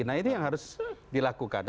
nah ini yang harus dilakukan